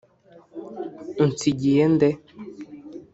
Unsigiye nde